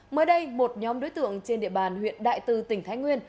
mới đây một nhóm đối tượng trên địa bàn huyện đại từ tỉnh thái nguyên